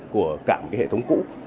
của cả một hệ thống cũ